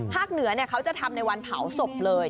เหนือเขาจะทำในวันเผาศพเลย